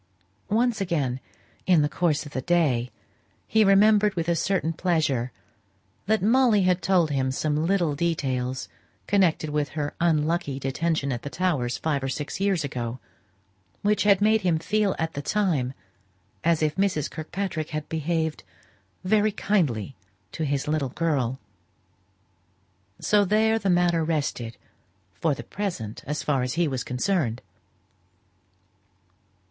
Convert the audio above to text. Once again, in the course of the day, he remembered with a certain pleasure that Molly had told him some little details connected with her unlucky detention at the Towers five or six years ago, which had made him feel at the time as if Mrs. Kirkpatrick had behaved very kindly to his little girl. So there the matter rested for the present, as far as he was concerned.